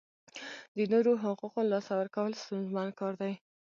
د نورو حقوقو لاسه ورکول ستونزمن کار دی.